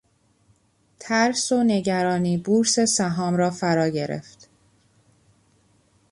ترس و نگرانی بورس سهام را فرا گرفت.